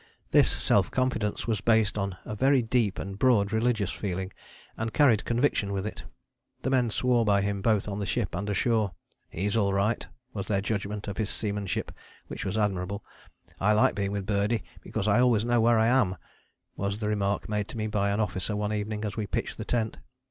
This self confidence was based on a very deep and broad religious feeling, and carried conviction with it. The men swore by him both on the ship and ashore. "He's all right," was their judgment of his seamanship, which was admirable. "I like being with Birdie, because I always know where I am," was the remark made to me by an officer one evening as we pitched the tent.